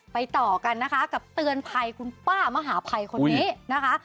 ต่อกันนะคะกับเตือนภัยคุณป้ามหาภัยคนนี้นะคะ